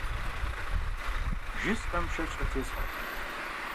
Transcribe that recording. Жысӏэм шэч къытесхьэркъым.